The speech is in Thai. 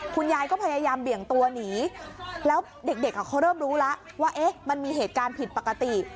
คุณยายก็พยายามเบี่ยงตัวหนีแล้วเด็กเขาเริ่มรู้แล้วว่ามันมีเหตุการณ์ผิดปกติ